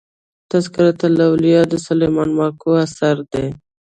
تذکرة الاولياء د سلېمان ماکو اثر دئ.